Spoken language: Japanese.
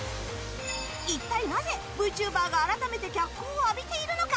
一体なぜ、ＶＴｕｂｅｒが改めて脚光を浴びているのか？